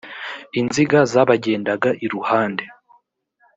inziga zabagendaga iruhande